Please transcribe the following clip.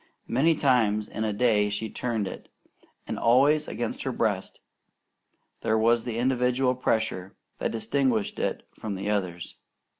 Many times in a day she turned it; and always against her breast there was the individual pressure that distinguished it from the others.